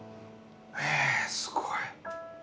えすごい。